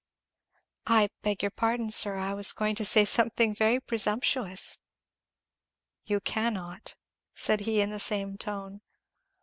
"I beg your pardon, sir, I was going to say something very presumptuous." "You cannot," he said in the same tone.